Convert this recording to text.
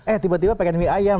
eh tiba tiba pengen mie ayam